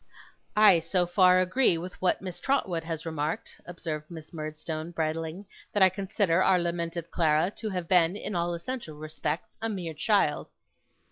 'I so far agree with what Miss Trotwood has remarked,' observed Miss Murdstone, bridling, 'that I consider our lamented Clara to have been, in all essential respects, a mere child.